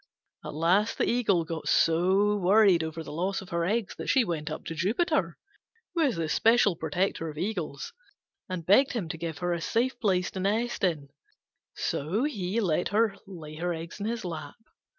At last the Eagle got so worried over the loss of her eggs that she went up to Jupiter, who is the special protector of Eagles, and begged him to give her a safe place to nest in: so he let her lay her eggs in his lap.